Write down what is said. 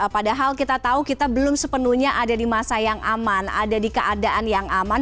padahal kita tahu kita belum sepenuhnya ada di masa yang aman ada di keadaan yang aman